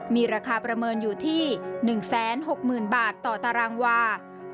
มีราคาประเมินอยู่ที่๑๖๐๐๐บาทต่อตารางวา